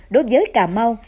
đối với cà mau